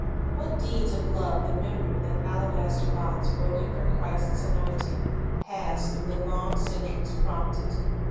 What deeds of love the memory of that alabaster box broken for Christ's anointing has through the long centuries prompted!